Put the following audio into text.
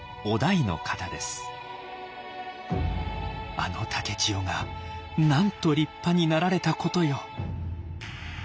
「あの竹千代がなんと立派になられたことよ」。